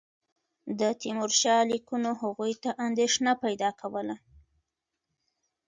د تیمورشاه لیکونو هغوی ته اندېښنه پیدا کوله.